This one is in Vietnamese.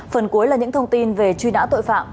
phần cuối là những thông tin về truy nã tội phạm